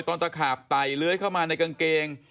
ตอนตะขาบไตเล้ยเข้ามาในกางเกง